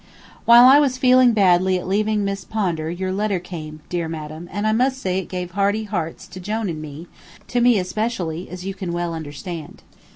While I was feeling badly at leaving Miss Pondar your letter came, dear madam, and I must say it gave heavy hearts to Jone and me, to me especially, as you can well understand.